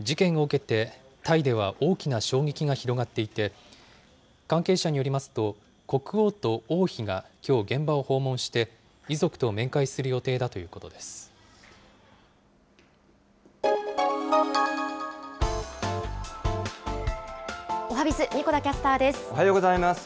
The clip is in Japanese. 事件を受けてタイでは大きな衝撃が広がっていて、関係者によりますと、国王と王妃がきょう、現場を訪問して、遺族と面会する予定だといおはＢｉｚ、おはようございます。